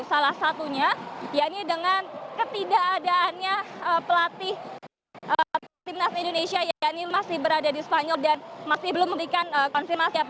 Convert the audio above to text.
salah satunya dengan ketidakadaannya pelatih timnas indonesia yang masih berada di spanyol dan masih belum memberikan konsil masyarakat